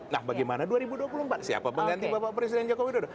nah bagaimana dua ribu dua puluh empat siapa pengganti bapak presiden joko widodo